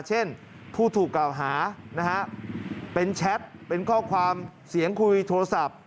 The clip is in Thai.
เช่นผู้ถูกกล่าวหานะฮะเป็นแชทเป็นข้อความเสียงคุยโทรศัพท์